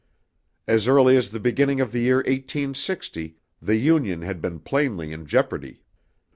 As early as the beginning of the year 1860 the Union had been plainly in jeopardy.